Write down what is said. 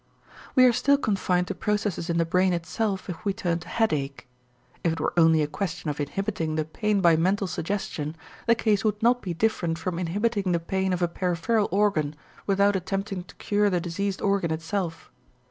We are still confined to processes in the brain itself if we turn to headache. If it were only a question of inhibiting the pain by mental suggestion, the case would not be different from inhibiting the pain of a peripheral organ without attempting to cure the diseased organ itself.